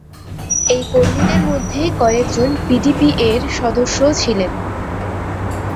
এই কর্মীদের মধ্যে কয়েকজন পিডিপিএ-র সদস্যও ছিলেন।